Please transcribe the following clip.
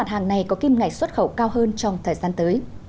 mặt hàng này có kim ngạch xuất khẩu cao hơn trong thời gian tới